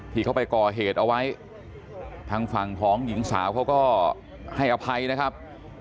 ที่เขาไปก่อเหตุเอาไว้ทางฝั่งของหญิงสาวเขาก็ให้อภัยนะครับ